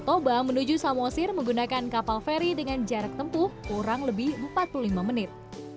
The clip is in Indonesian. toba menuju samosir menggunakan kapal feri dengan jarak tempuh kurang lebih empat puluh lima menit